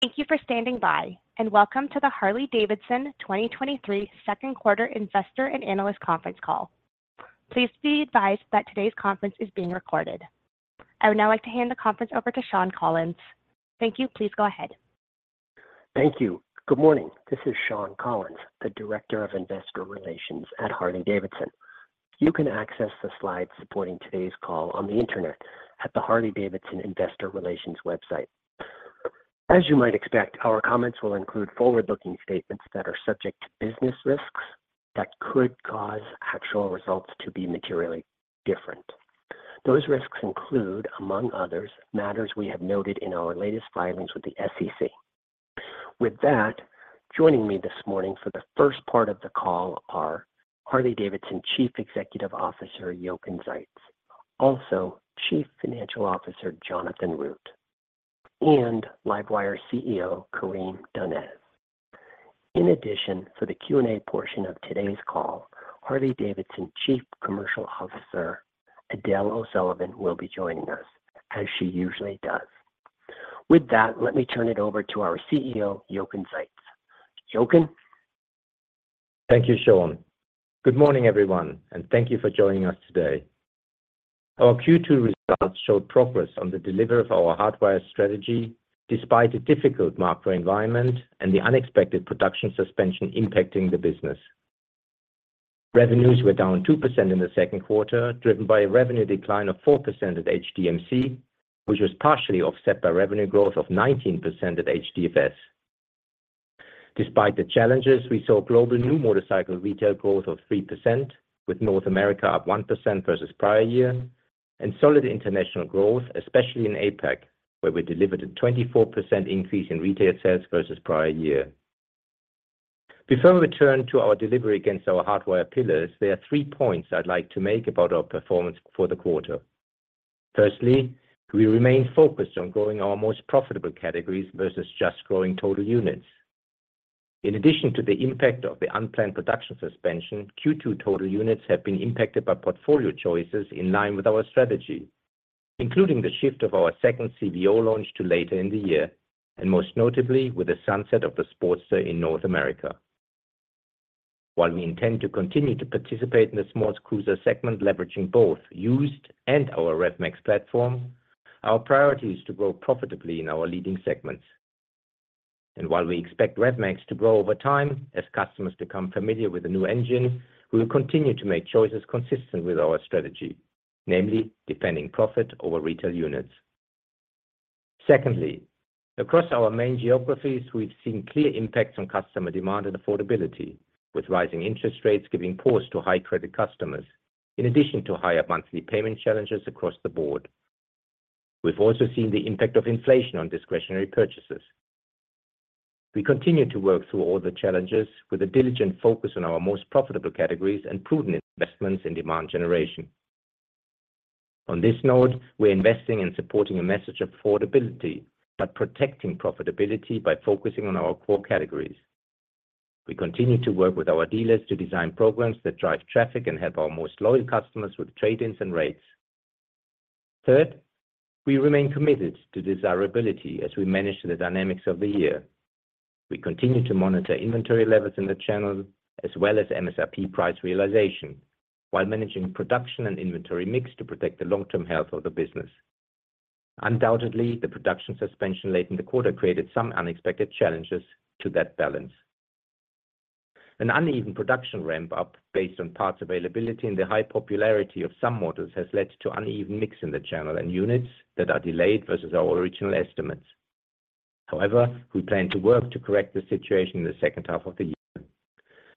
Thank you for standing by. Welcome to the Harley-Davidson 2023 second quarter investor and analyst conference call. Please be advised that today's conference is being recorded. I would now like to hand the conference over to Shawn Collins. Thank you. Please go ahead. Thank you. Good morning. This is Shawn Collins, the Director of Investor Relations at Harley-Davidson. You can access the slides supporting today's call on the Internet at the Harley-Davidson Investor Relations website. As you might expect, our comments will include forward-looking statements that are subject to business risks that could cause actual results to be materially different. Those risks include, among others, matters we have noted in our latest filings with the SEC. Joining me this morning for the first part of the call are Harley-Davidson Chief Executive Officer, Jochen Zeitz, also Chief Financial Officer, Jonathan Root, and LiveWire CEO, Karim Donnez. In addition, for the Q&A portion of today's call, Harley-Davidson Chief Commercial Officer, Edel O'Sullivan, will be joining us, as she usually does. Let me turn it over to our CEO, Jochen Zeitz. Jochen? Thank you, Shawn. Good morning, everyone, and thank you for joining us today. Our Q2 results showed progress on the delivery of our Hardwire strategy, despite a difficult macro environment and the unexpected production suspension impacting the business. Revenues were down 2% in the second quarter, driven by a revenue decline of 4% at HDMC, which was partially offset by revenue growth of 19% at HDFS. Despite the challenges, we saw global new motorcycle retail growth of 3%, with North America up 1% versus prior year, and solid international growth, especially in APAC, where we delivered a 24% increase in retail sales versus prior year. Before we turn to our delivery against our Hardwire pillars, there are three points I'd like to make about our performance for the quarter. Firstly, we remain focused on growing our most profitable categories versus just growing total units. In addition to the impact of the unplanned production suspension, Q2 total units have been impacted by portfolio choices in line with our strategy, including the shift of our second CVO launch to later in the year, and most notably, with the sunset of the Sportster in North America. While we intend to continue to participate in the small cruiser segment, leveraging both used and our RevMax platform, our priority is to grow profitably in our leading segments. While we expect RevMax to grow over time, as customers become familiar with the new engine, we will continue to make choices consistent with our strategy, namely, defending profit over retail units. Secondly, across our main geographies, we've seen clear impacts on customer demand and affordability, with rising interest rates giving pause to high credit customers, in addition to higher monthly payment challenges across the board. We've also seen the impact of inflation on discretionary purchases. We continue to work through all the challenges with a diligent focus on our most profitable categories and prudent investments in demand generation. On this note, we're investing in supporting a message of affordability, but protecting profitability by focusing on our core categories. We continue to work with our dealers to design programs that drive traffic and help our most loyal customers with trade-ins and rates. Third, we remain committed to desirability as we manage the dynamics of the year. We continue to monitor inventory levels in the channel, as well as MSRP price realization, while managing production and inventory mix to protect the long-term health of the business. Undoubtedly, the production suspension late in the quarter created some unexpected challenges to that balance. An uneven production ramp-up based on parts availability and the high popularity of some models has led to uneven mix in the channel and units that are delayed versus our original estimates. We plan to work to correct the situation in the second half of the year.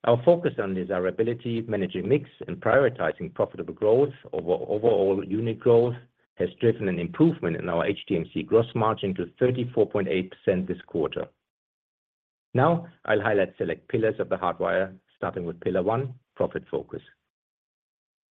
Our focus on desirability, managing mix, and prioritizing profitable growth over overall unit growth has driven an improvement in our HDMC gross margin to 34.8% this quarter. I'll highlight select pillars of The Hardwire, starting with pillar one, profit focus.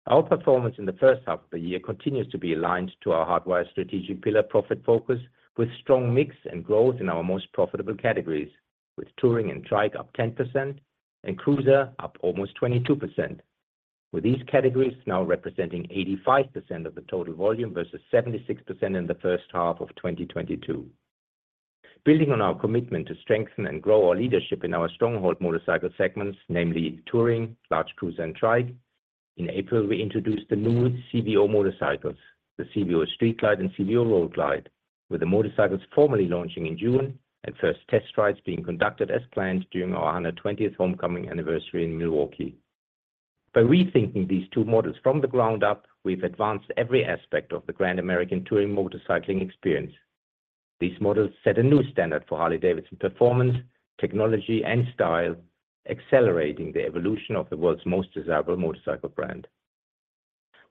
Our performance in the first half of the year continues to be aligned to our Hardwire strategic pillar, profit focus, with strong mix and growth in our most profitable categories, with touring and trike up 10% and cruiser up almost 22%, with these categories now representing 85% of the total volume versus 76% in the first half of 2022. Building on our commitment to strengthen and grow our leadership in our stronghold motorcycle segments, namely touring, large cruise, and trike. In April, we introduced the new CVO motorcycles, the CVO Street Glide and CVO Road Glide, with the motorcycles formally launching in June and first test rides being conducted as planned during our 120th homecoming anniversary in Milwaukee. By rethinking these two models from the ground up, we've advanced every aspect of the Grand American Touring motorcycling experience. These models set a new standard for Harley-Davidson performance, technology, and style, accelerating the evolution of the world's most desirable motorcycle brand.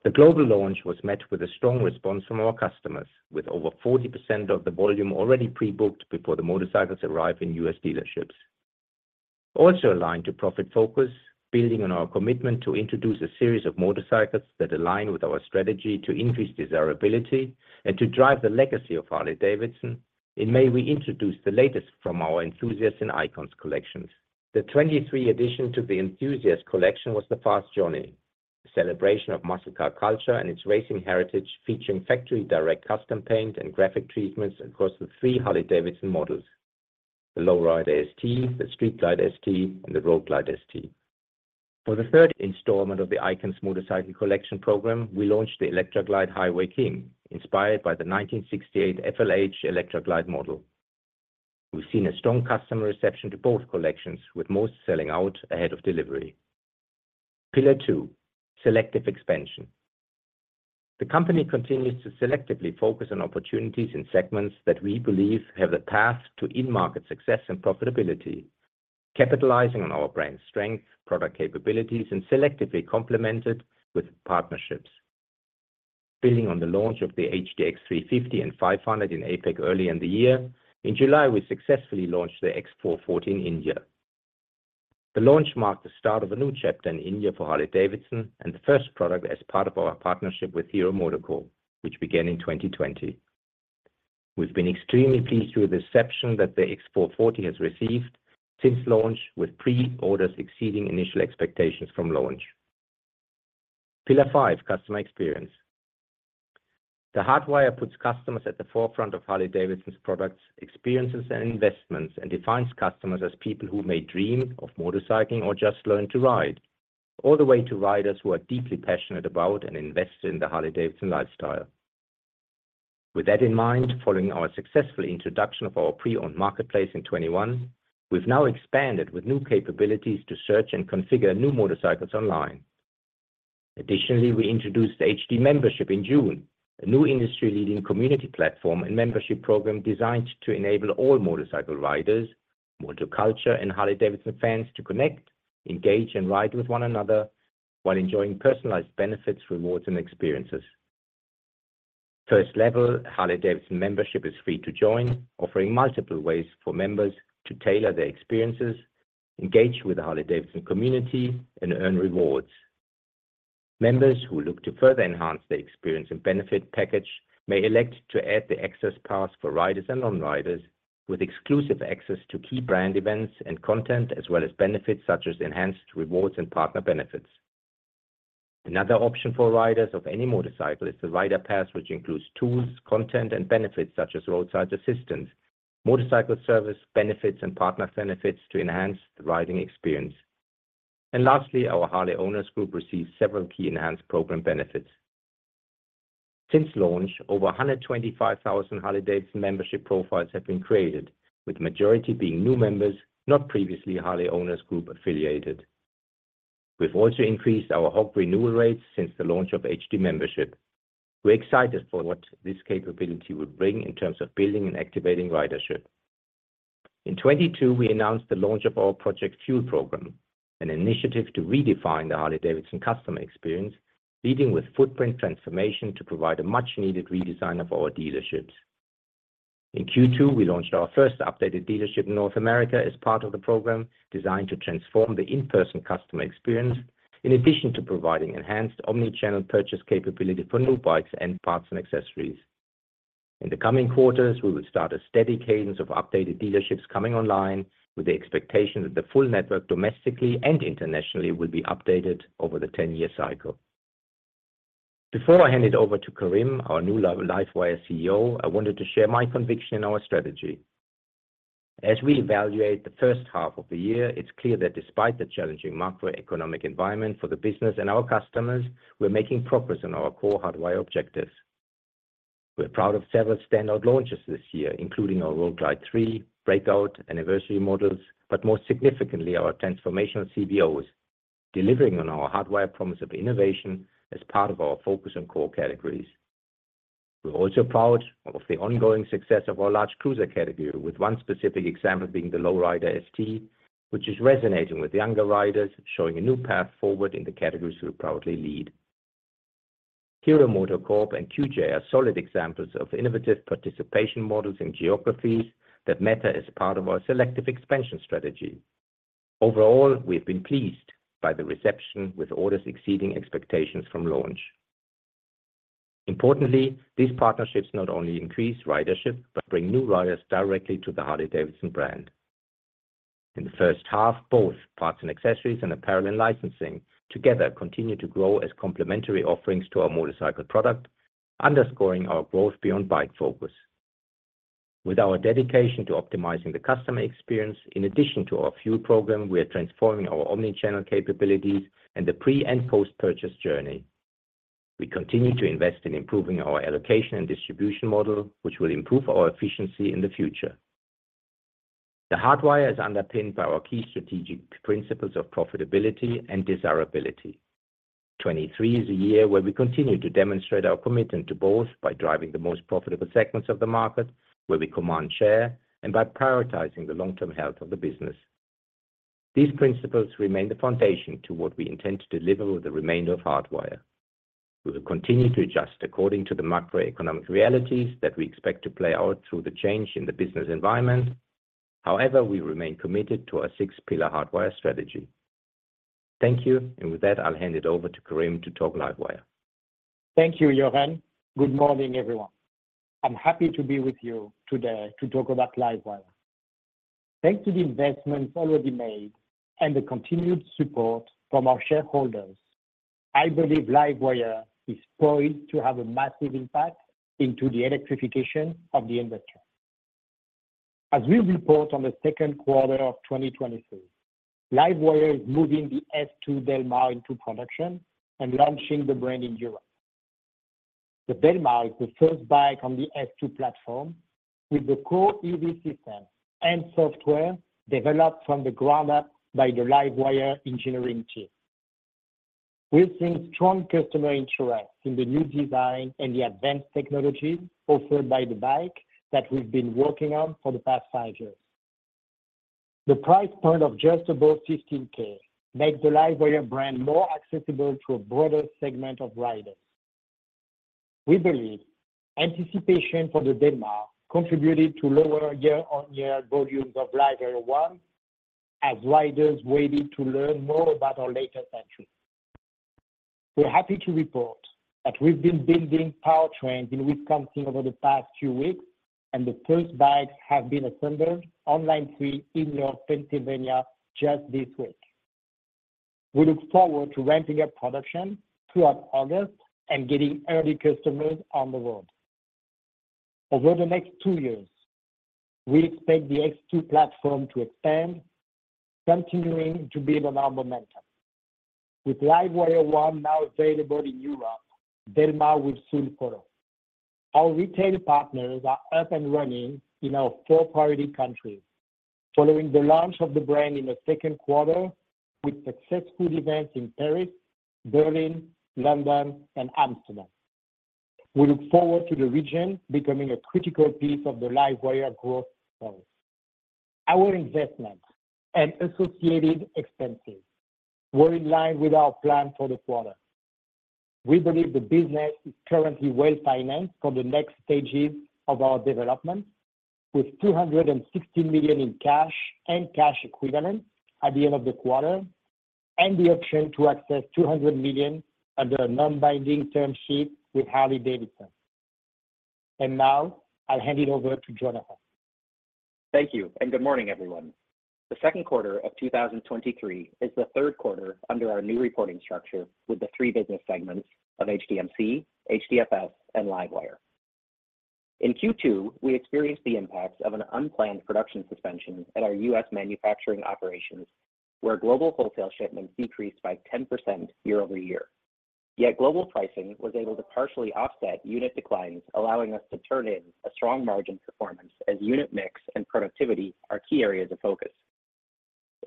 The global launch was met with a strong response from our customers, with over 40% of the volume already pre-booked before the motorcycles arrive in U.S. dealerships. Also aligned to profit focus, building on our commitment to introduce a series of motorcycles that align with our strategy to increase desirability and to drive the legacy of Harley-Davidson, in May, we introduced the latest from our Enthusiast and Icons Collections. The 23 addition to the Enthusiast Collection was the Fast Johnnie. A celebration of muscle car culture and its racing heritage, featuring factory direct custom paint and graphic treatments across the three Harley-Davidson models: the Low Rider ST, the Street Glide ST, and the Road Glide ST. For the third installment of the Icons Motorcycle Collection program, we launched the Electra Glide Highway King, inspired by the 1968 FLH Electra Glide model. We've seen a strong customer reception to both collections, with most selling out ahead of delivery. Pillar two, selective expansion. The company continues to selectively focus on opportunities in segments that we believe have the path to in-market success and profitability, capitalizing on our brand strength, product capabilities, and selectively complemented with partnerships. Building on the launch of the HD X350 and 500 in APAC early in the year, in July, we successfully launched the X440 in India. The launch marked the start of a new chapter in India for Harley-Davidson, and the first product as part of our partnership with Hero MotoCorp, which began in 2020. We've been extremely pleased with the reception that the X440 has received since launch, with pre-orders exceeding initial expectations from launch. Pillar five, customer experience. The Hardwire puts customers at the forefront of Harley-Davidson's products, experiences, and investments, and defines customers as people who may dream of motorcycling or just learn to ride, all the way to riders who are deeply passionate about and invested in the Harley-Davidson lifestyle. With that in mind, following our successful introduction of our pre-owned marketplace in 2021, we've now expanded with new capabilities to search and configure new motorcycles online. Additionally, we introduced H-D Membership in June, a new industry-leading community platform and membership program designed to enable all motorcycle riders, motoculture, and Harley-Davidson fans to connect, engage, and ride with one another while enjoying personalized benefits, rewards, and experiences. First level, Harley-Davidson membership is free to join, offering multiple ways for members to tailor their experiences, engage with the Harley-Davidson community, and earn rewards. Members who look to further enhance their experience and benefit package may elect to add the access pass for riders and non-riders, with exclusive access to key brand events and content, as well as benefits such as enhanced rewards and partner benefits. Another option for riders of any motorcycle is the rider pass, which includes tools, content, and benefits such as roadside assistance, motorcycle service benefits, and partner benefits to enhance the riding experience. Lastly, our Harley Owners Group received several key enhanced program benefits. Since launch, over 125,000 Harley-Davidson membership profiles have been created, with majority being new members, not previously Harley Owners Group affiliated. We've also increased our HOG renewal rates since the launch of H-D Membership. We're excited for what this capability would bring in terms of building and activating ridership. In 2022, we announced the launch of our Project Fuel program, an initiative to redefine the Harley-Davidson customer experience, leading with footprint transformation to provide a much-needed redesign of our dealerships. In Q2, we launched our first updated dealership in North America as part of the program, designed to transform the in-person customer experience, in addition to providing enhanced omni-channel purchase capability for new bikes and Parts and Accessories. In the coming quarters, we will start a steady cadence of updated dealerships coming online, with the expectation that the full network, domestically and internationally, will be updated over the 10-year cycle. Before I hand it over to Karim, our new LiveWire CEO, I wanted to share my conviction in our strategy. As we evaluate the first half of the year, it's clear that despite the challenging macroeconomic environment for the business and our customers, we're making progress on our core Hardwire objectives. We're proud of several standout launches this year, including our Road Glide three, breakout anniversary models, but more significantly, our transformational CVOs, delivering on our Hardwire promise of innovation as part of our focus on core categories. We're also proud of the ongoing success of our large cruiser category, with one specific example being the Low Rider ST, which is resonating with younger riders, showing a new path forward in the categories we proudly lead. Hero MotoCorp and QJ are solid examples of innovative participation models in geographies that matter as part of our selective expansion strategy. Overall, we've been pleased by the reception, with orders exceeding expectations from launch. Importantly, these partnerships not only increase ridership, but bring new riders directly to the Harley-Davidson brand. In the first half, both Parts and Accessories, and Apparel and Licensing together continue to grow as complementary offerings to our motorcycle product, underscoring our growth beyond bike focus. With our dedication to optimizing the customer experience, in addition to our Fuel program, we are transforming our omni-channel capabilities and the pre- and post-purchase journey. We continue to invest in improving our allocation and distribution model, which will improve our efficiency in the future. The Hardwire is underpinned by our key strategic principles of profitability and desirability. 2023 is a year where we continue to demonstrate our commitment to both by driving the most profitable segments of the market, where we command share, and by prioritizing the long-term health of the business. These principles remain the foundation to what we intend to deliver with the remainder of Hardwire. We will continue to adjust according to the macroeconomic realities that we expect to play out through the change in the business environment. However, we remain committed to our 6-pillar Hardwire strategy. Thank you, and with that, I'll hand it over to Karim to talk LiveWire. Thank you, Jochen. Good morning, everyone. I'm happy to be with you today to talk about LiveWire. Thanks to the investments already made and the continued support from our shareholders, I believe LiveWire is poised to have a massive impact into the electrification of the industry. We report on the second quarter of 2023, LiveWire is moving the S2 Del Mar into production and launching the brand in Europe. The Del Mar is the first bike on the S2 platform, with the core EV system and software developed from the ground up by the LiveWire engineering team. We've seen strong customer interest in the new design and the advanced technology offered by the bike that we've been working on for the past five years. The price point of just above $15K makes the LiveWire brand more accessible to a broader segment of riders. We believe anticipation for the Del Mar contributed to lower year-on-year volumes of LiveWire ONE, as riders waited to learn more about our latest entry. We're happy to report that we've been building powertrains in Wisconsin over the past few weeks, and the first bikes have been assembled on line three in York, Pennsylvania just this week. We look forward to ramping up production throughout August and getting early customers on the road. Over the next two years, we expect the S2 platform to expand, continuing to build on our momentum. With LiveWire ONE now available in Europe, Del Mar will soon follow. Our retail partners are up and running in our four priority countries. Following the launch of the brand in the second quarter, with successful events in Paris, Berlin, London, and Amsterdam, we look forward to the region becoming a critical piece of the LiveWire growth story. Our investments and associated expenses were in line with our plan for the quarter. We believe the business is currently well-financed for the next stages of our development, with $260 million in cash and cash equivalents at the end of the quarter, and the option to access $200 million under a non-binding term sheet with Harley-Davidson. Now I'll hand it over to Jonathan. Thank you, good morning, everyone. The second quarter of 2023 is the third quarter under our new reporting structure, with the three business segments of HDMC, HDFS, and LiveWire. In Q2, we experienced the impacts of an unplanned production suspension at our U.S. manufacturing operations, where global wholesale shipments decreased by 10% year-over-year. Global pricing was able to partially offset unit declines, allowing us to turn in a strong margin performance as unit mix and productivity are key areas of focus.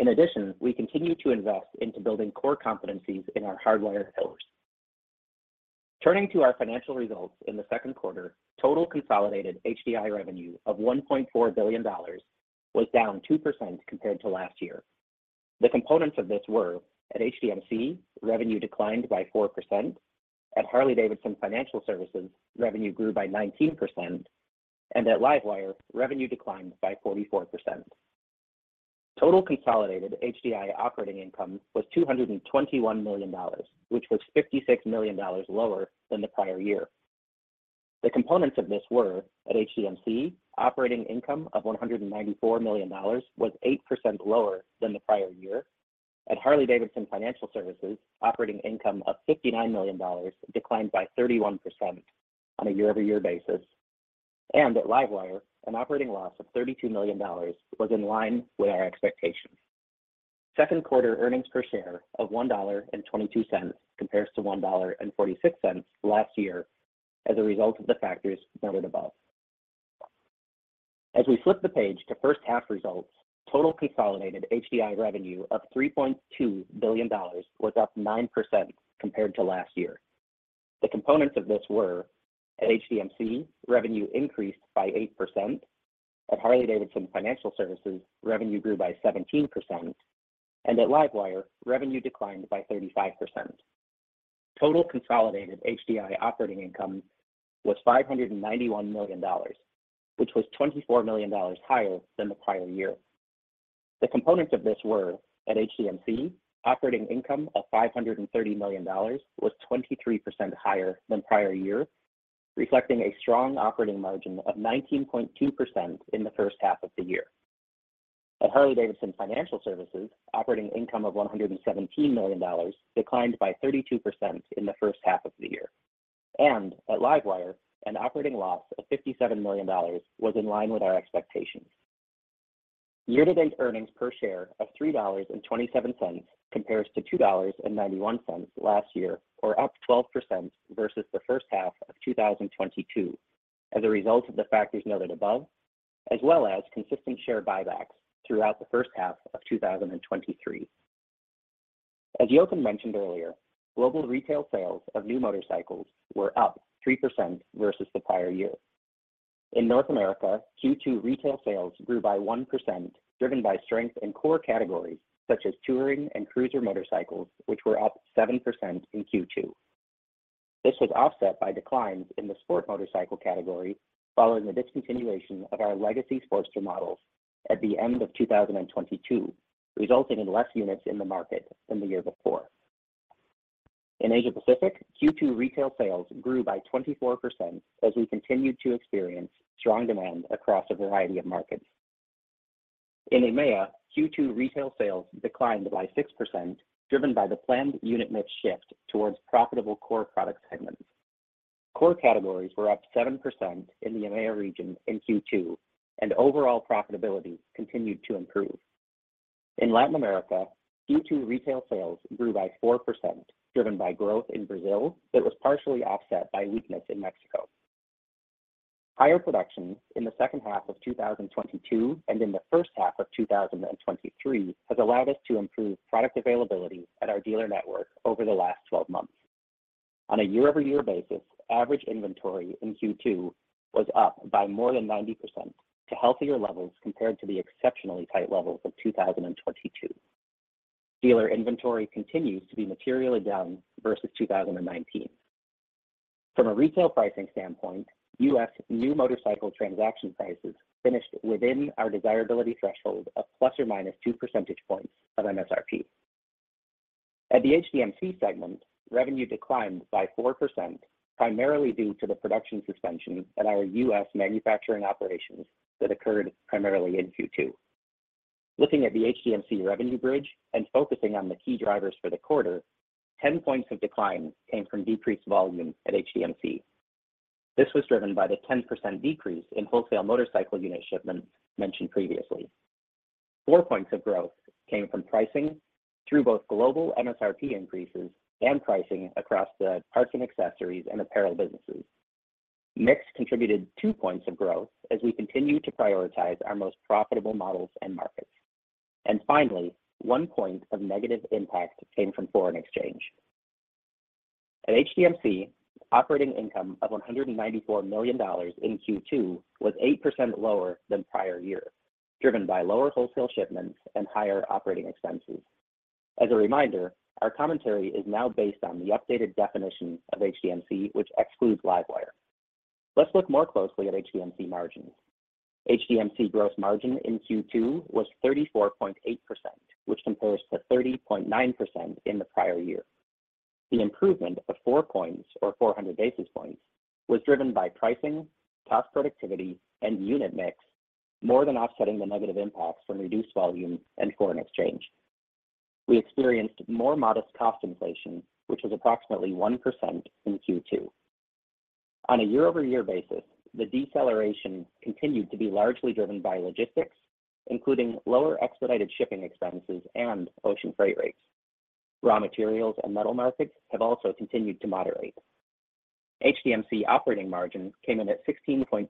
In addition, we continue to invest into building core competencies in our Hardwire pillars. Turning to our financial results in the second quarter, total consolidated HDI revenue of $1.4 billion was down 2% compared to last year. The components of this were: at HDMC, revenue declined by 4%. At Harley-Davidson Financial Services, revenue grew by 19%, and at LiveWire, revenue declined by 44%. Total consolidated HDI operating income was $221 million, which was $56 million lower than the prior year. The components of this were: at HDMC, operating income of $194 million was 8% lower than the prior year. At Harley-Davidson Financial Services, operating income of $59 million declined by 31% on a year-over-year basis. At LiveWire, an operating loss of $32 million was in line with our expectations. Second quarter earnings per share of $1.22 compares to $1.46 last year as a result of the factors noted above. As we flip the page to first half results, total consolidated HDI revenue of $3.2 billion was up 9% compared to last year. The components of this were: at HDMC, revenue increased by 8%. At Harley-Davidson Financial Services, revenue grew by 17%. At LiveWire, revenue declined by 35%. Total consolidated HDI operating income was $591 million, which was $24 million higher than the prior year. The components of this were: at HDMC, operating income of $530 million was 23% higher than prior year, reflecting a strong operating margin of 19.2% in the first half of the year. At Harley-Davidson Financial Services, operating income of $117 million declined by 32% in the first half of the year. At LiveWire, an operating loss of $57 million was in line with our expectations. Year-to-date earnings per share of $3.27 compares to $2.91 last year, or up 12% versus the first half of 2022, as a result of the factors noted above, as well as consistent share buybacks throughout the first half of 2023. As Jochen mentioned earlier, global retail sales of new motorcycles were up 3% versus the prior year. In North America, Q2 retail sales grew by 1%, driven by strength in core categories such as touring and cruiser motorcycles, which were up 7% in Q2. This was offset by declines in the sport motorcycle category, following the discontinuation of our legacy Sportster models at the end of 2022, resulting in less units in the market than the year before. In Asia Pacific, Q2 retail sales grew by 24% as we continued to experience strong demand across a variety of markets. In EMEA, Q2 retail sales declined by 6%, driven by the planned unit mix shift towards profitable core product segments. Core categories were up 7% in the EMEA region in Q2, and overall profitability continued to improve. In Latin America, Q2 retail sales grew by 4%, driven by growth in Brazil, that was partially offset by weakness in Mexico. Higher production in the second half of 2022 and in the first half of 2023, has allowed us to improve product availability at our dealer network over the last 12 months. On a year-over-year basis, average inventory in Q2 was up by more than 90% to healthier levels compared to the exceptionally tight levels of 2022. Dealer inventory continues to be materially down versus 2019. From a retail pricing standpoint, U.S. new motorcycle transaction prices finished within our desirability threshold of ±2 percentage points of MSRP. At the HDMC segment, revenue declined by 4%, primarily due to the production suspension at our U.S. manufacturing operations that occurred primarily in Q2. Looking at the HDMC revenue bridge and focusing on the key drivers for the quarter, 10 points of decline came from decreased volume at HDMC. This was driven by the 10% decrease in wholesale motorcycle unit shipments mentioned previously. Four points of growth came from pricing through both global MSRP increases and pricing across the parts and accessories and apparel businesses. Mix contributed two points of growth as we continue to prioritize our most profitable models and markets. Finally, one point of negative impact came from foreign exchange. At HDMC, operating income of $194 million in Q2 was 8% lower than prior year, driven by lower wholesale shipments and higher operating expenses. As a reminder, our commentary is now based on the updated definition of HDMC, which excludes LiveWire. Let's look more closely at HDMC margins. HDMC gross margin in Q2 was 34.8%, which compares to 30.9% in the prior year. The improvement of four points or 400 basis points, was driven by pricing, cost productivity, and unit mix, more than offsetting the negative impacts from reduced volume and foreign exchange. We experienced more modest cost inflation, which was approximately 1% in Q2. On a year-over-year basis, the deceleration continued to be largely driven by logistics, including lower expedited shipping expenses and ocean freight rates. Raw materials and metal markets have also continued to moderate. HDMC operating margin came in at 16.2%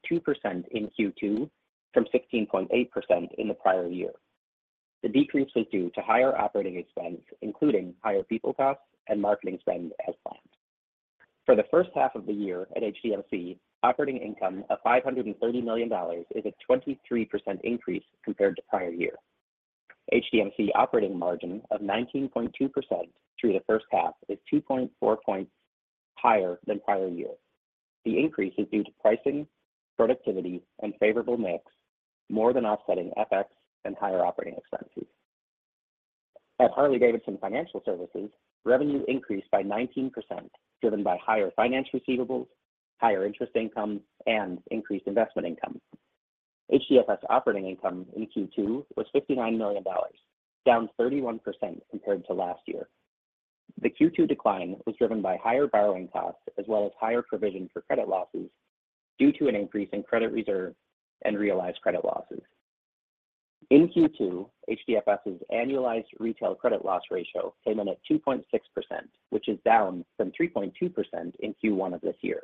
in Q2, from 16.8% in the prior year. The decrease was due to higher operating expense, including higher people costs and marketing spend as planned. For the first half of the year at HDMC, operating income of $530 million is a 23% increase compared to prior year. HDMC operating margin of 19.2% through the first half is 2.4 points higher than prior year. The increase is due to pricing, productivity, and favorable mix, more than offsetting FX and higher operating expenses. At Harley-Davidson Financial Services, revenue increased by 19%, driven by higher finance receivables, higher interest income, and increased investment income. HDFS operating income in Q2 was $59 million, down 31% compared to last year. The Q2 decline was driven by higher borrowing costs, as well as higher provision for credit losses, due to an increase in credit reserve and realized credit losses. In Q2, HDFS's annualized retail credit loss ratio came in at 2.6%, which is down from 3.2% in Q1 of this year.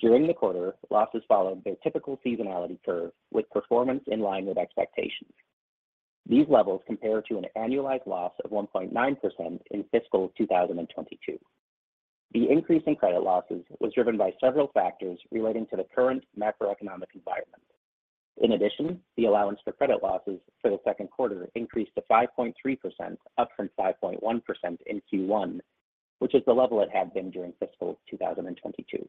During the quarter, losses followed their typical seasonality curve with performance in line with expectations. These levels compare to an annualized loss of 1.9% in fiscal 2022. The increase in credit losses was driven by several factors relating to the current macroeconomic environment. In addition, the allowance for credit losses for the second quarter increased to 5.3%, up from 5.1% in Q1, which is the level it had been during fiscal 2022.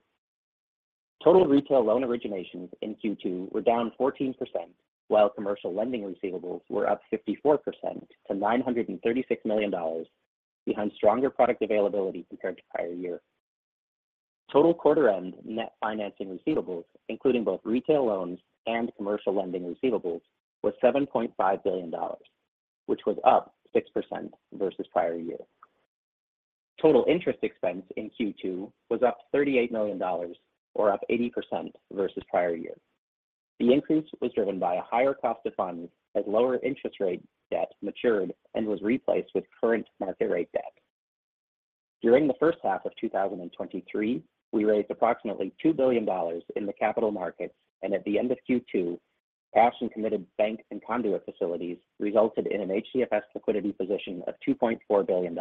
Total retail loan originations in Q2 were down 14%, while commercial lending receivables were up 54% to $936 million, behind stronger product availability compared to prior year. Total quarter-end net financing receivables, including both retail loans and commercial lending receivables, was $7.5 billion, which was up 6% versus prior year. Total interest expense in Q2 was up $38 million or up 80% versus prior year. The increase was driven by a higher cost of funds, as lower interest rate debt matured and was replaced with current market rate debt. During the first half of 2023, we raised approximately $2 billion in the capital markets. At the end of Q2, cash and committed bank and conduit facilities resulted in an HDFS liquidity position of $2.4 billion.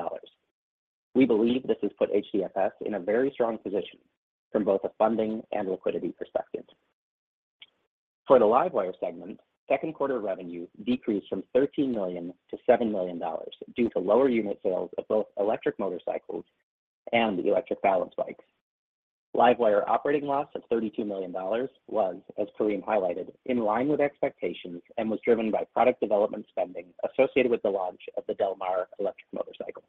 We believe this has put HDFS in a very strong position from both a funding and liquidity perspective. For the LiveWire segment, second quarter revenue decreased from $13 million-$7 million due to lower unit sales of both electric motorcycles and electric balance bikes. LiveWire operating loss of $32 million was, as Kareem highlighted, in line with expectations and was driven by product development spending associated with the launch of the Del Mar electric motorcycle.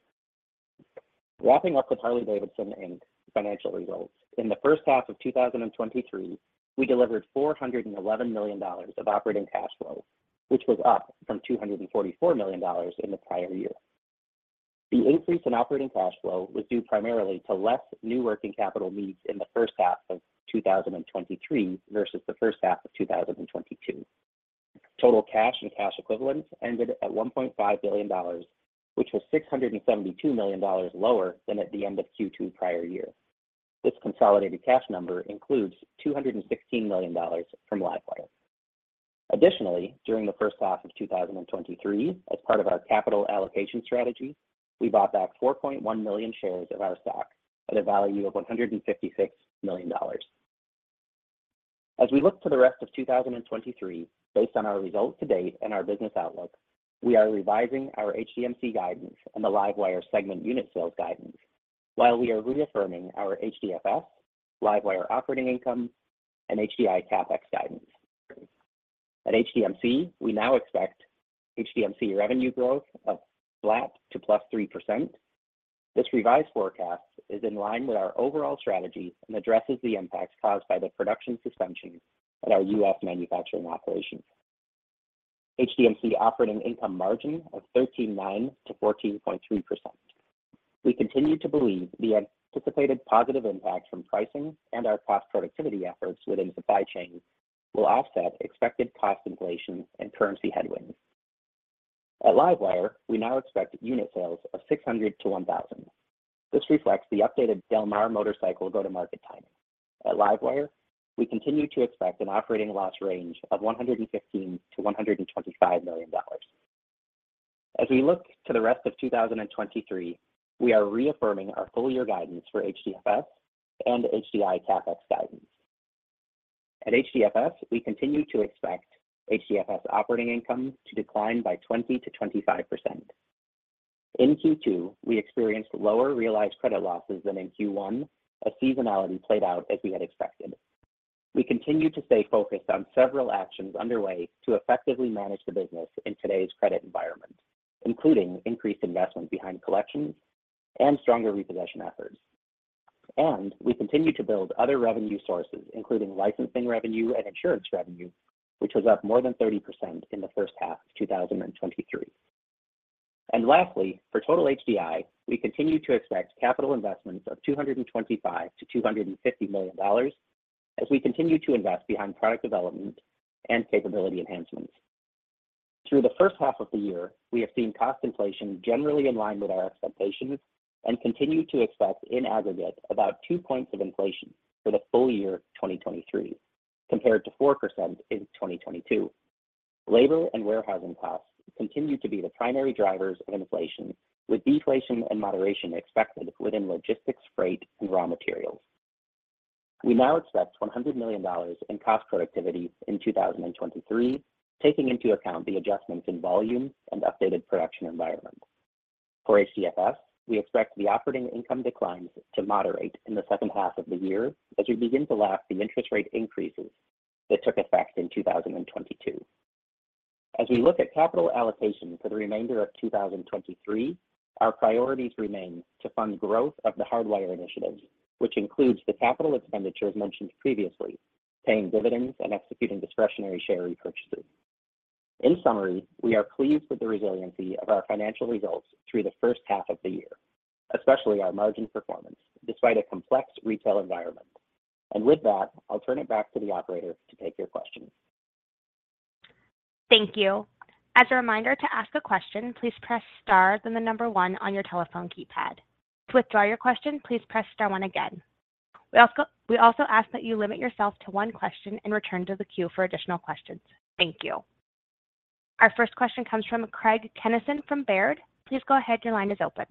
Wrapping up with Harley-Davidson, Inc. financial results, in the first half of 2023, we delivered $411 million of operating cash flow, which was up from $244 million in the prior year. The increase in operating cash flow was due primarily to less new working capital needs in the first half of 2023 versus the first half of 2022. Total cash and cash equivalents ended at $1.5 billion, which was $672 million lower than at the end of Q2 prior year. This consolidated cash number includes $216 million from LiveWire. Additionally, during the first half of 2023, as part of our capital allocation strategy, we bought back 4.1 million shares of our stock at a value of $156 million. As we look to the rest of 2023, based on our results to date and our business outlook, we are revising our HDMC guidance and the LiveWire segment unit sales guidance, while we are reaffirming our HDFS, LiveWire operating income, and HDI CapEx guidance. At HDMC, we now expect HDMC revenue growth of flat to +3%. This revised forecast is in line with our overall strategy and addresses the impacts caused by the production suspensions at our U.S. manufacturing operations. HDMC operating income margin of 13.9%-14.3%. We continue to believe the anticipated positive impact from pricing and our cost productivity efforts within supply chain will offset expected cost inflation and currency headwinds. At LiveWire, we now expect unit sales of 600-1,000. This reflects the updated Del Mar motorcycle go-to-market timing. At LiveWire, we continue to expect an operating loss range of $115 million-$125 million. As we look to the rest of 2023, we are reaffirming our full year guidance for HDFS and HDI CapEx guidance. At HDFS, we continue to expect HDFS operating income to decline by 20%-25%. In Q2, we experienced lower realized credit losses than in Q1, as seasonality played out as we had expected. We continue to stay focused on several actions underway to effectively manage the business in today's credit environment, including increased investment behind collections and stronger repossession efforts. We continue to build other revenue sources, including licensing revenue and insurance revenue, which was up more than 30% in the first half of 2023. Lastly, for total HDI, we continue to expect capital investments of $225 million-$250 million as we continue to invest behind product development and capability enhancements. Through the first half of the year, we have seen cost inflation generally in line with our expectations and continue to expect, in aggregate, about two points of inflation for the full year 2023, compared to 4% in 2022. Labor and warehousing costs continue to be the primary drivers of inflation, with deflation and moderation expected within logistics, freight, and raw materials. We now expect $100 million in cost productivity in 2023, taking into account the adjustments in volume and updated production environment. For HDFS, we expect the operating income declines to moderate in the second half of the year as we begin to lap the interest rate increases that took effect in 2022. As we look at capital allocation for the remainder of 2023, our priorities remain to fund growth of The Hardwire initiatives, which includes the capital expenditures mentioned previously, paying dividends and executing discretionary share repurchases. In summary, we are pleased with the resiliency of our financial results through the first half of the year, especially our margin performance, despite a complex retail environment. With that, I'll turn it back to the operator to take your questions. Thank you. As a reminder to ask a question, please press star, then the one on your telephone keypad. To withdraw your question, please press star one again. We also ask that you limit yourself to one question and return to the queue for additional questions. Thank you. Our first question comes from Craig Kennison from Baird. Please go ahead. Your line is open.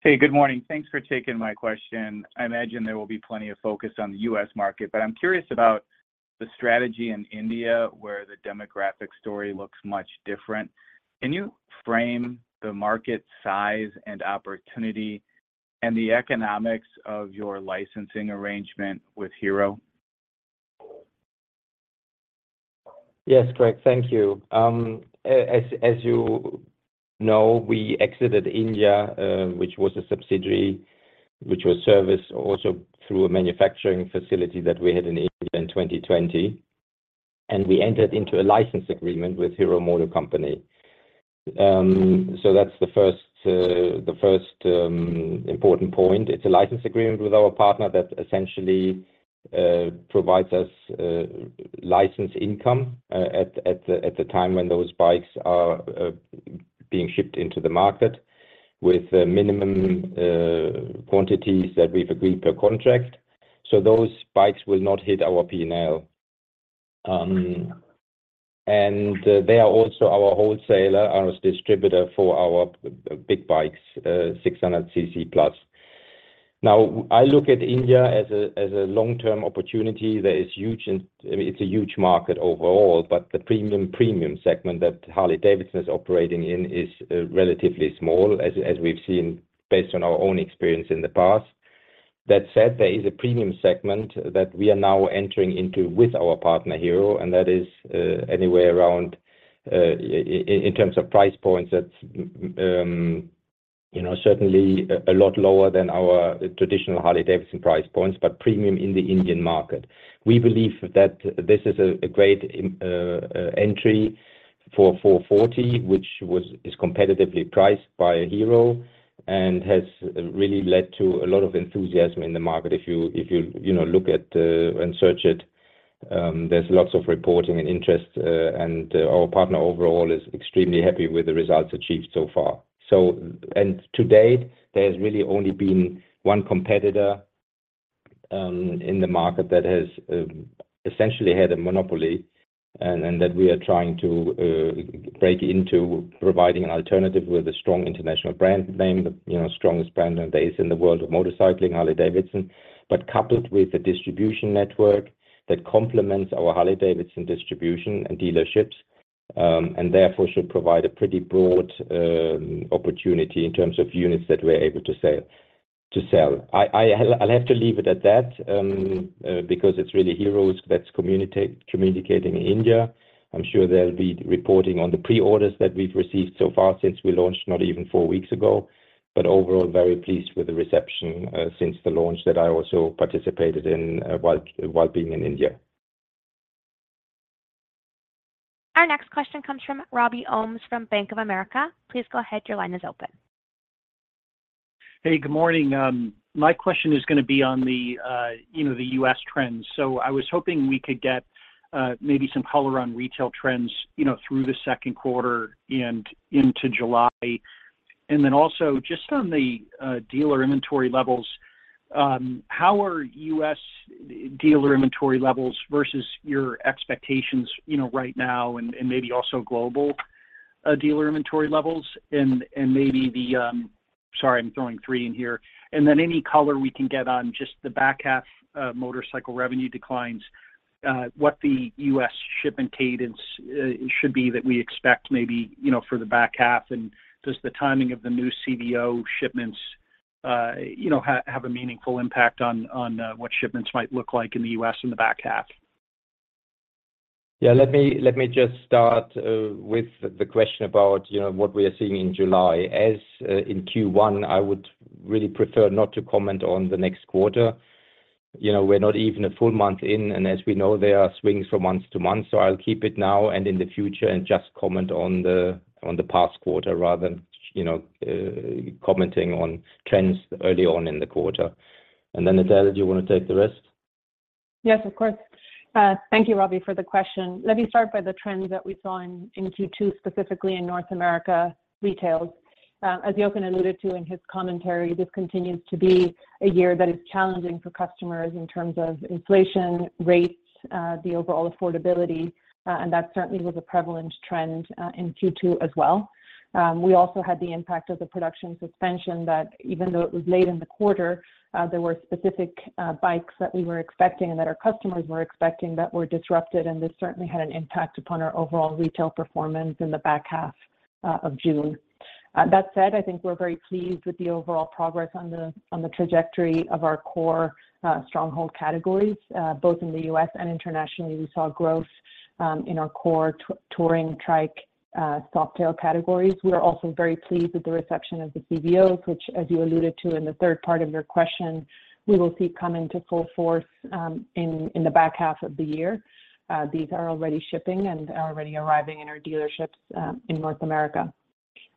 Hey, good morning. Thanks for taking my question. I imagine there will be plenty of focus on the US market, but I'm curious about the strategy in India, where the demographic story looks much different. Can you frame the market size and opportunity and the economics of your licensing arrangement with Hero? Yes, Craig, thank you. as you know, we exited India, which was a subsidiary, which was serviced also through a manufacturing facility that we had in India in 2020, and we entered into a license agreement with Hero MotoCorp. That's the first important point. It's a license agreement with our partner that essentially provides us license income at the time when those bikes are being shipped into the market, with minimum quantities that we've agreed per contract. Those bikes will not hit our P&L. They are also our wholesaler and distributor for our big bikes, 600 cc+. I look at India as a long-term opportunity that is huge. I mean, it's a huge market overall, but the premium segment that Harley-Davidson is operating in is relatively small, as we've seen based on our own experience in the past. That said, there is a premium segment that we are now entering into with our partner, Hero, and that is anywhere around in terms of price points, that's, you know, certainly a lot lower than our traditional Harley-Davidson price points, but premium in the Indian market. We believe that this is a great entry for X440, which is competitively priced by Hero and has really led to a lot of enthusiasm in the market. If you, you know, look at, and search it, there's lots of reporting and interest, and our partner overall is extremely happy with the results achieved so far. To date, there's really only been one competitor in the market that has essentially had a monopoly and that we are trying to break into providing an alternative with a strong international brand name. The, you know, strongest brand there is in the world of motorcycling, Harley-Davidson, but coupled with a distribution network that complements our Harley-Davidson distribution and dealerships, and therefore should provide a pretty broad opportunity in terms of units that we're able to sell. I'll have to leave it at that, because it's really Hero that's communicating in India. I'm sure they'll be reporting on the pre-orders that we've received so far since we launched, not even four weeks ago, but overall, very pleased with the reception, since the launch that I also participated in, while being in India. Our next question comes from Robert Ohmes from Bank of America. Please go ahead. Your line is open. Hey, good morning. My question is gonna be on the, you know, the U.S. trends. I was hoping we could get maybe some color on retail trends, you know, through the second quarter and into July. Also, just on the dealer inventory levels, how are U.S. dealer inventory levels versus your expectations, you know, right now and maybe also global dealer inventory levels? Maybe the-- Sorry, I'm throwing three in here. Any color we can get on just the back half motorcycle revenue declines, what the U.S. shipment cadence should be that we expect maybe, you know, for the back half? Does the timing of the new CVO shipments, you know, have a meaningful impact on what shipments might look like in the U.S. in the back half? Yeah, let me just start with the question about, you know, what we are seeing in July. As in Q1, I would really prefer not to comment on the next quarter. You know, we're not even a full month in, and as we know, there are swings from month to month, so I'll keep it now and in the future and just comment on the past quarter rather than, you know, commenting on trends early on in the quarter. Then, Edel, do you want to take the rest? Yes, of course. Thank you, Robbie, for the question. Let me start by the trends that we saw in Q2, specifically in North America retails. As Jochen alluded to in his commentary, this continues to be a year that is challenging for customers in terms of inflation rates, the overall affordability. That certainly was a prevalent trend in Q2 as well. We also had the impact of the production suspension that even though it was late in the quarter, there were specific bikes that we were expecting and that our customers were expecting that were disrupted, and this certainly had an impact upon our overall retail performance in the back half of June. That said, I think we're very pleased with the overall progress on the trajectory of our core stronghold categories, both in the U.S. and internationally. We saw growth in our core touring trike, Softail categories. We are also very pleased with the reception of the CVOs, which, as you alluded to in the third part of your question, we will see coming to full force in the back half of the year. These are already shipping and are already arriving in our dealerships in North America.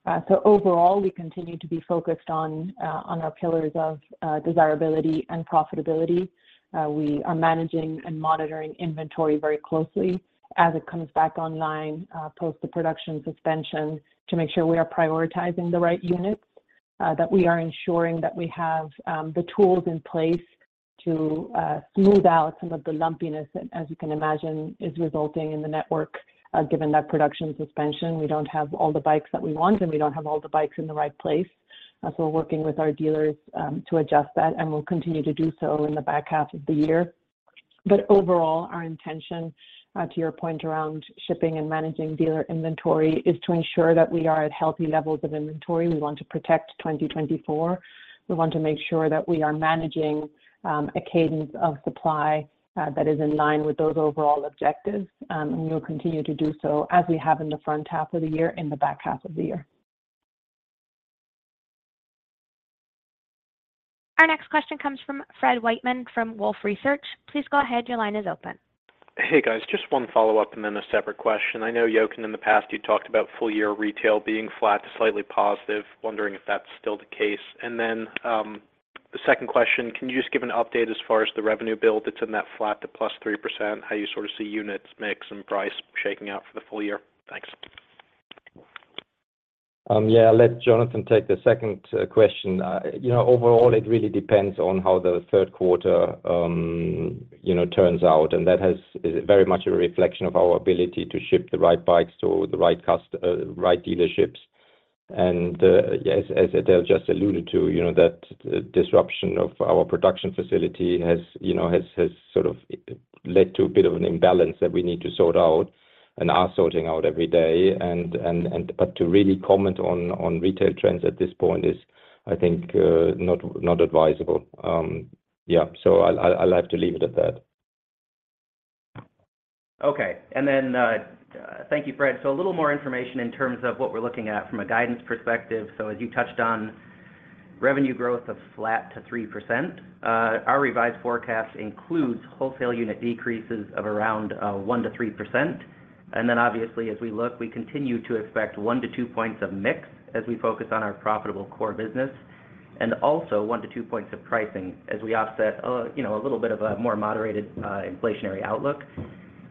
Overall, we continue to be focused on our pillars of desirability and profitability. We are managing and monitoring inventory very closely as it comes back online, post the production suspension, to make sure we are prioritizing the right units, that we are ensuring that we have the tools in place to smooth out some of the lumpiness that, as you can imagine, is resulting in the network. Given that production suspension, we don't have all the bikes that we want, and we don't have all the bikes in the right place. We're working with our dealers to adjust that, and we'll continue to do so in the back half of the year. Overall, our intention, to your point around shipping and managing dealer inventory, is to ensure that we are at healthy levels of inventory. We want to protect 2024. We want to make sure that we are managing a cadence of supply that is in line with those overall objectives, and we will continue to do so as we have in the front half of the year, in the back half of the year. Our next question comes from Frederick Wightman, from Wolfe Research. Please go ahead. Your line is open. Hey, guys. Just one follow-up and then a separate question. I know, Jochen, in the past, you talked about full year retail being flat to slightly positive. Wondering if that's still the case? The second question, can you just give an update as far as the revenue build that's in that flat to +3%, how you sort of see units mix and price shaking out for the full year? Thanks. Yeah, I'll let Jonathan take the second question. You know, overall, it really depends on how the third quarter, you know, turns out, and that is very much a reflection of our ability to ship the right bikes to the right dealerships. Yes, as Edel just alluded to, you know, that disruption of our production facility has, you know, has sort of led to a bit of an imbalance that we need to sort out and are sorting out every day. To really comment on retail trends at this point is, I think, not advisable. Yeah. I'll have to leave it at that. Okay, thank you, Fred. A little more information in terms of what we're looking at from a guidance perspective. As you touched on revenue growth of flat to 3%, our revised forecast includes wholesale unit decreases of around 1%-3%. Obviously, as we look, we continue to expect one to two points of mix as we focus on our profitable core business, and also one to two points of pricing as we offset, you know, a little bit of a more moderated inflationary outlook.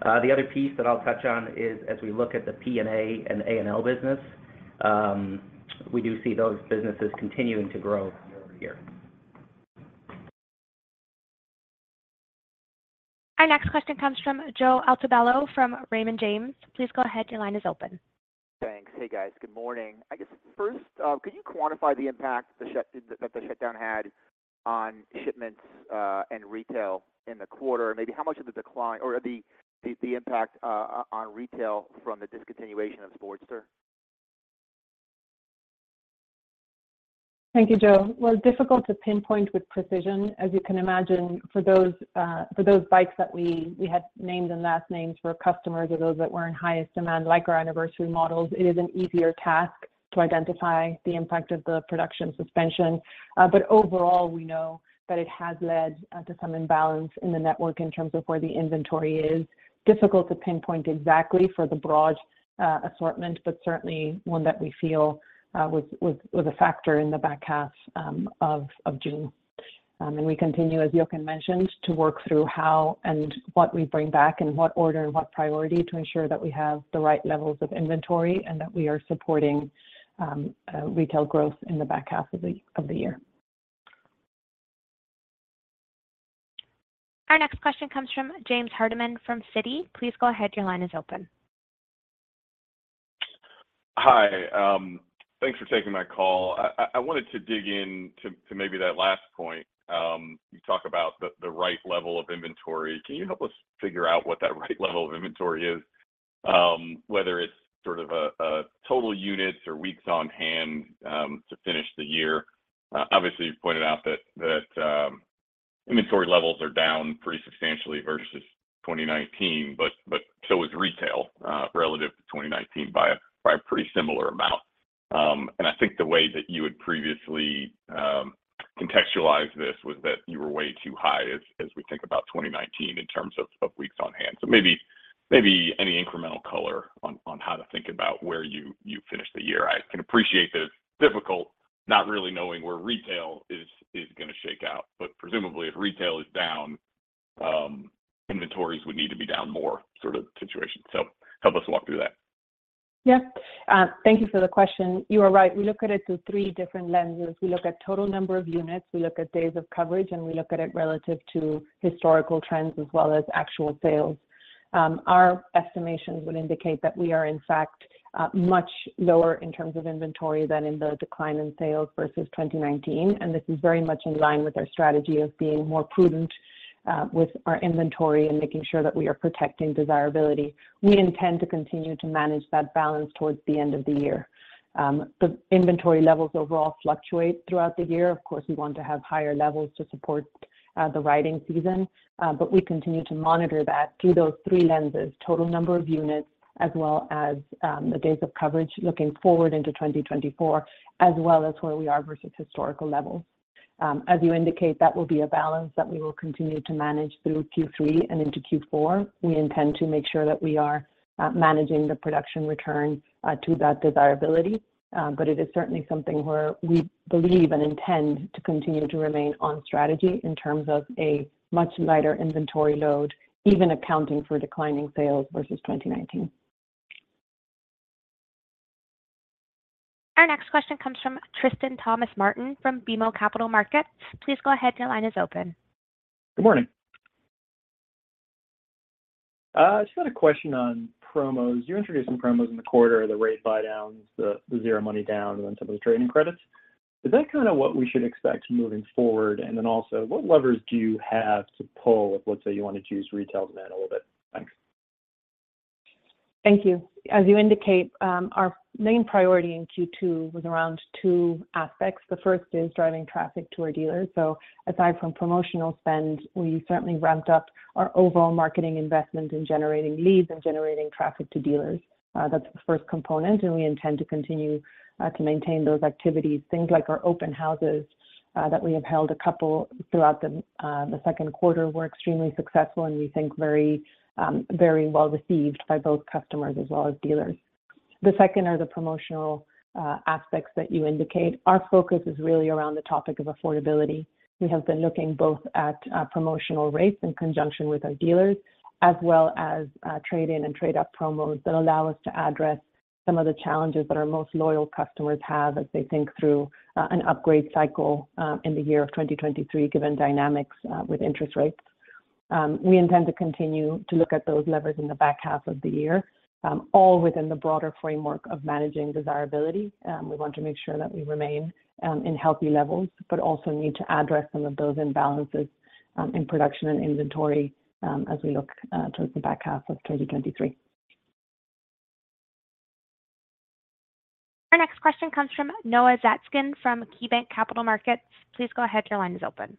The other piece that I'll touch on is, as we look at the P&A and A&L business, we do see those businesses continuing to grow Our next question comes from Joseph Altobello from Raymond James. Please go ahead. Your line is open. Thanks. Hey, guys. Good morning. I guess first, could you quantify the impact the shutdown had on shipments and retail in the quarter? Maybe how much of the decline or the impact on retail from the discontinuation of Sportster? Thank you, Joe. Well, difficult to pinpoint with precision. As you can imagine, for those bikes that we had names and last names for customers or those that were in highest demand, like our anniversary models, it is an easier task to identify the impact of the production suspension. Overall, we know that it has led to some imbalance in the network in terms of where the inventory is. Difficult to pinpoint exactly for the broad assortment, but certainly one that we feel was a factor in the back half of June. We continue, as Jochen mentioned, to work through how and what we bring back and what order and what priority to ensure that we have the right levels of inventory and that we are supporting retail growth in the back half of the year. Our next question comes from James Hardiman from Citi. Please go ahead. Your line is open. Hi. Thanks for taking my call. I wanted to dig in to maybe that last point. You talk about the right level of inventory. Can you help us figure out what that right level of inventory is? Whether it's sort of a total units or weeks on hand to finish the year. Obviously, you've pointed out that inventory levels are down pretty substantially versus 2019, but so is retail relative to 2019 by a pretty similar amount. I think the way that you would previously contextualize this was that you were way too high as we think about 2019 in terms of weeks on hand. Maybe any incremental color on how to think about where you finish the year. I can appreciate that it's difficult not really knowing where retail is gonna shake out, presumably, if retail is down, inventories would need to be down more sort of situation. Help us walk through that. Yeah. Thank you for the question. You are right. We look at it through three different lenses. We look at total number of units, we look at days of coverage, and we look at it relative to historical trends as well as actual sales. Our estimations would indicate that we are, in fact, much lower in terms of inventory than in the decline in sales versus 2019. This is very much in line with our strategy of being more prudent with our inventory and making sure that we are protecting desirability. We intend to continue to manage that balance towards the end of the year. The inventory levels overall fluctuate throughout the year. We want to have higher levels to support the riding season, but we continue to monitor that through those three lenses, total number of units, as well as the days of coverage looking forward into 2024, as well as where we are versus historical levels. That will be a balance that we will continue to manage through Q3 and into Q4. We intend to make sure that we are managing the production return to that desirability, but it is certainly something where we believe and intend to continue to remain on strategy in terms of a much lighter inventory load, even accounting for declining sales versus 2019. Our next question comes from Tristan Thomas-Martin from BMO Capital Markets. Please go ahead. Your line is open. Good morning. Just had a question on promos. You introduced some promos in the quarter, the rate buy downs, the, the zero money down on some of the trade-in credits. Is that kinda what we should expect moving forward? What levers do you have to pull if, let's say, you want to juice retail demand a little bit? Thanks. Thank you. As you indicate, our main priority in Q2 was around two aspects. The first is driving traffic to our dealers. Aside from promotional spend, we certainly ramped up our overall marketing investment in generating leads and generating traffic to dealers. That's the first component, and we intend to continue to maintain those activities. Things like our open houses that we have held a couple throughout the second quarter were extremely successful and we think very well received by both customers as well as dealers. The second are the promotional aspects that you indicate. Our focus is really around the topic of affordability. We have been looking both at promotional rates in conjunction with our dealers, as well as trade-in and trade-up promos that allow us to address some of the challenges that our most loyal customers have as they think through an upgrade cycle in the year of 2023, given dynamics with interest rates. We intend to continue to look at those levers in the back half of the year, all within the broader framework of managing desirability. We want to make sure that we remain in healthy levels, but also need to address some of those imbalances in production and inventory as we look towards the back half of 2023. Our next question comes from Noah Zatzkin from KeyBanc Capital Markets. Please go ahead, your line is open.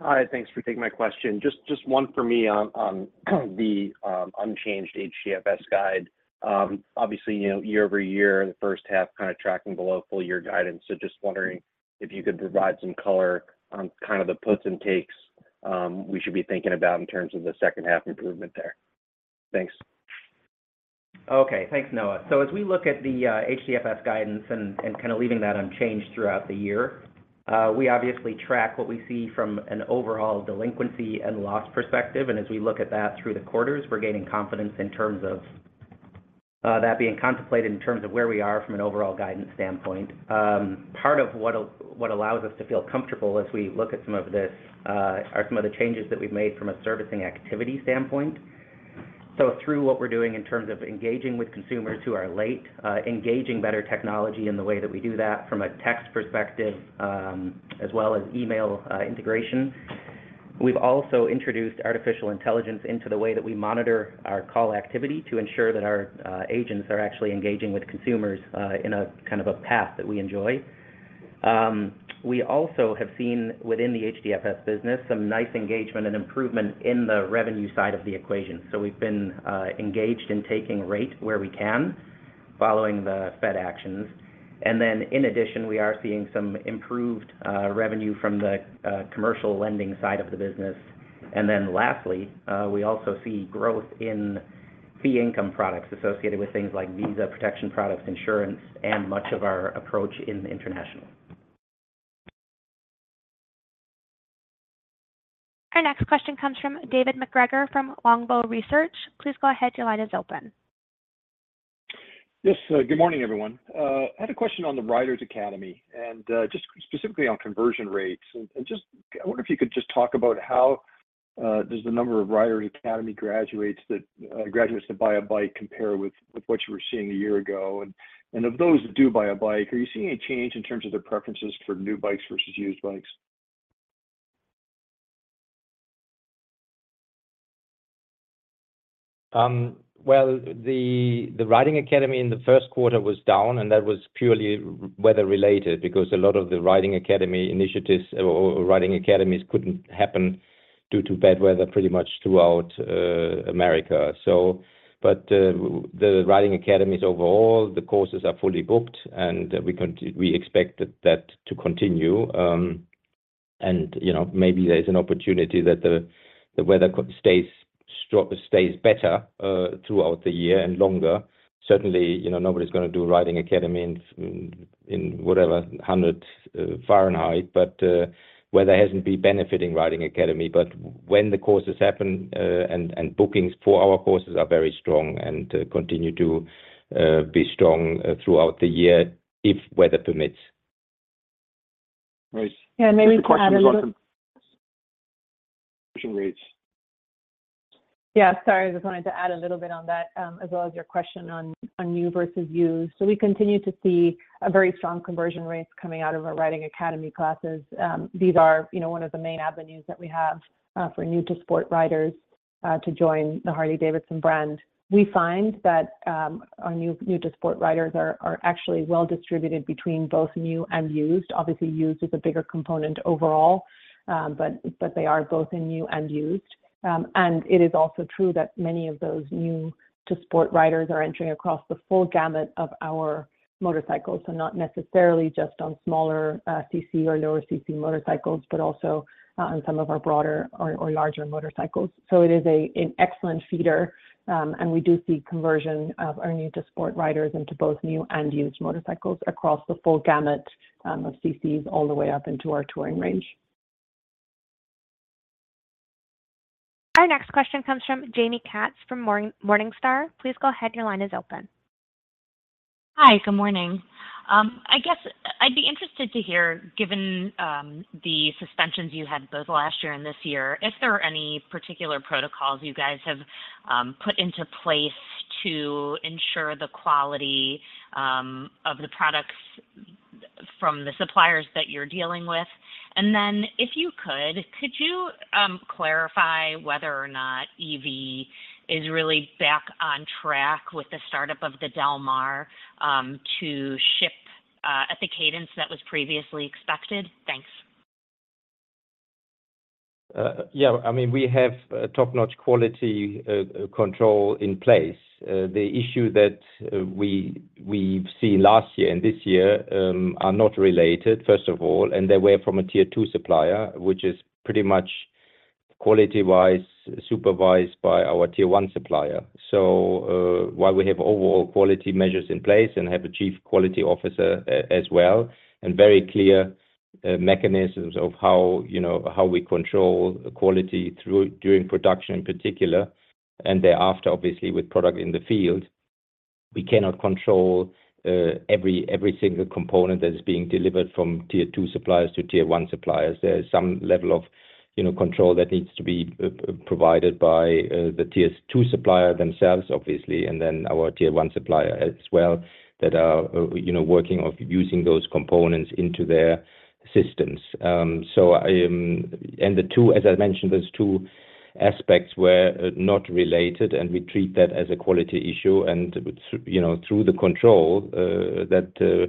Hi, thanks for taking my question. Just one for me on the unchanged HDFS guide. Obviously, you know, year-over-year, the first half kind of tracking below full year guidance. Just wondering if you could provide some color on kind of the puts and takes we should be thinking about in terms of the second half improvement there. Thanks. Okay, thanks, Noah. As we look at the HDFS guidance and kind of leaving that unchanged throughout the year, we obviously track what we see from an overall delinquency and loss perspective, and as we look at that through the quarters, we're gaining confidence in terms of that being contemplated in terms of where we are from an overall guidance standpoint. Part of what allows us to feel comfortable as we look at some of this are some of the changes that we've made from a servicing activity standpoint. Through what we're doing in terms of engaging with consumers who are late, engaging better technology in the way that we do that from a text perspective, as well as email integration. We've also introduced artificial intelligence into the way that we monitor our call activity to ensure that our agents are actually engaging with consumers in a kind of a path that we enjoy. We also have seen within the HDFS business, some nice engagement and improvement in the revenue side of the equation. We've been engaged in taking rate where we can, following the Fed actions. In addition, we are seeing some improved revenue from the commercial lending side of the business. Lastly, we also see growth in fee income products associated with things like Visa protection products, insurance, and much of our approach in international. Our next question comes from David MacGregor from Longbow Research. Please go ahead, your line is open. Yes, good morning, everyone. I had a question on the Riding Academy and just specifically on conversion rates. I wonder if you could just talk about how does the number of Riding Academy graduates that buy a bike compare with what you were seeing a year ago? Of those that do buy a bike, are you seeing any change in terms of their preferences for new bikes versus used bikes? Well, the Riding Academy in the first quarter was down, and that was purely weather related because a lot of the Riding Academy initiatives or Riding Academies couldn't happen due to bad weather pretty much throughout America. The Riding Academies, overall, the courses are fully booked, and we expect that to continue. You know, maybe there's an opportunity that the weather could stays better throughout the year and longer. Certainly, you know, nobody's gonna do Riding Academy in, in whatever, 100 Fahrenheit. Weather hasn't been benefiting Riding Academy. When the courses happen, and bookings for our courses are very strong and continue to be strong throughout the year, if weather permits. Right. Yeah, maybe to add a little. Question rates. Yeah, sorry. I just wanted to add a little bit on that, as well as your question on new versus used. We continue to see a very strong conversion rates coming out of our Riding Academy classes. These are, you know, one of the main avenues that we have for new to sport riders to join the Harley-Davidson brand. We find that our new to sport riders are actually well distributed between both new and used. Obviously, used is a bigger component overall, but they are both in new and used. It is also true that many of those new to sport riders are entering across the full gamut of our motorcycles, so not necessarily just on smaller CC or lower CC motorcycles, but also on some of our broader or larger motorcycles. It is an excellent feeder, and we do see conversion of our new-to-sport riders into both new and used motorcycles across the full gamut, of CCs all the way up into our touring range. Our next question comes from Jaime Katz from Morningstar. Please go ahead, your line is open. Hi, good morning. I guess I'd be interested to hear, given the suspensions you had both last year and this year, if there are any particular protocols you guys have put into place to ensure the quality of the products from the suppliers that you're dealing with. If you could clarify whether or not EV is really back on track with the startup of the Del Mar to ship at the cadence that was previously expected? Thanks. Yeah, I mean, we have top-notch quality control in place. The issue that we've seen last year and this year are not related, first of all, and they were from a Tier 2 supplier, which is pretty much quality-wise, supervised by our Tier 1 supplier. While we have overall quality measures in place and have a chief quality officer as well, and very clear mechanisms of how, you know, how we control the quality during production in particular, and thereafter, obviously, with product in the field, we cannot control every single component that is being delivered from Tier 2 suppliers to Tier 1 suppliers. There is some level of control that needs to be provided by the Tier 2 supplier themselves, obviously, and then our Tier 1 supplier as well, that are working of using those components into their systems. The two, as I mentioned, those two aspects were not related, and we treat that as a quality issue. Through the control that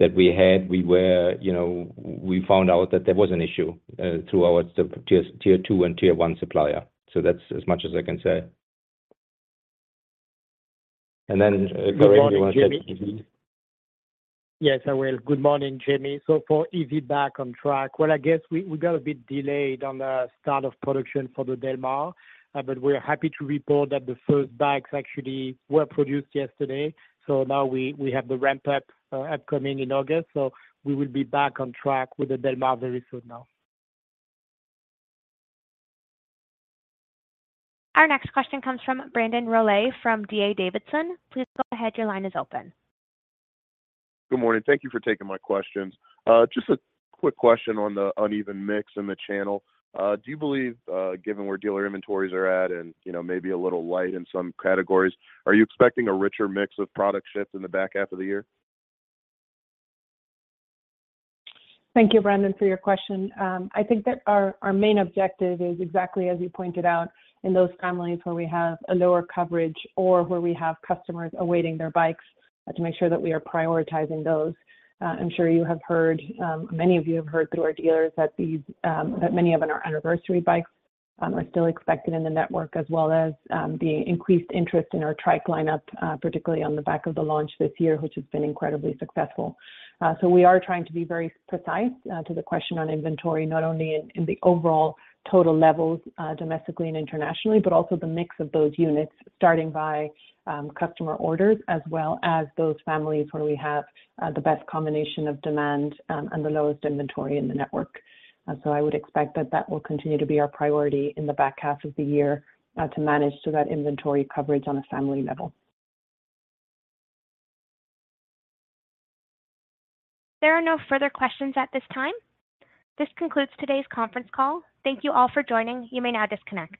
we had, we found out that there was an issue through our Tier 2 and Tier 1 supplier. That's as much as I can say. Laurent, you want to take- Yes, I will. Good morning, Jaime. For easy back on track, I guess we got a bit delayed on the start of production for the Del Mar. We're happy to report that the first bikes actually were produced yesterday. Now we have the ramp up upcoming in August. We will be back on track with the Del Mar very soon now. Our next question comes from Brandon Rollé from D.A. Davidson. Please go ahead. Your line is open. Good morning. Thank you for taking my questions. Just a quick question on the uneven mix in the channel. Do you believe, given where dealer inventories are at and, you know, maybe a little light in some categories, are you expecting a richer mix of product shifts in the back half of the year? Thank you, Brandon, for your question. I think that our, our main objective is exactly as you pointed out, in those families where we have a lower coverage or where we have customers awaiting their bikes, to make sure that we are prioritizing those. I'm sure you have heard, many of you have heard through our dealers that these, that many of them are anniversary bikes, are still expected in the network, as well as, the increased interest in our trike lineup, particularly on the back of the launch this year, which has been incredibly successful. We are trying to be very precise to the question on inventory, not only in, in the overall total levels domestically and internationally, but also the mix of those units, starting by customer orders, as well as those families where we have the best combination of demand and the lowest inventory in the network. I would expect that that will continue to be our priority in the back half of the year to manage so that inventory coverage on a family level. There are no further questions at this time. This concludes today's conference call. Thank you all for joining. You may now disconnect.